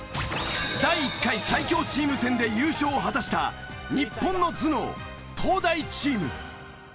第１回最強チーム戦で優勝を果たした日本の頭脳東大チーム。